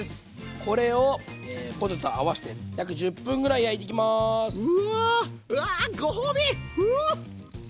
これをポテトとあわせて約１０分ぐらい焼いていきます。